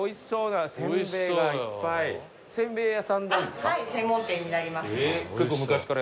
はい専門店になります。